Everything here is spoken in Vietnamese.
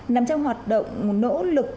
nằm trong hoạt động nỗ lực